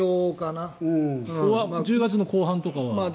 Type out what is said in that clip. １０月の後半とか。